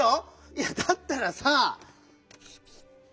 いやだったらさ。